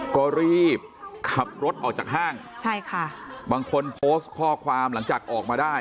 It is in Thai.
ก็รีบขับรถออกจากห้างใช่ค่ะบางคนโพสต์ข้อความหลังจากออกมาได้